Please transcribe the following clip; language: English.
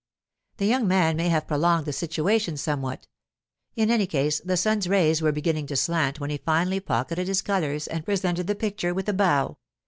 The young man may have prolonged the situation somewhat; in any case, the sun's rays were beginning to slant when he finally pocketed his colours and presented the picture with a bow.